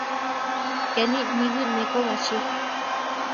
Keni niwí neko bachí.